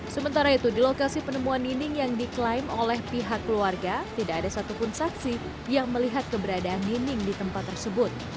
sementara itu di lokasi penemuan nining yang diklaim oleh pihak keluarga tidak ada satupun saksi yang melihat keberadaan nining di tempat tersebut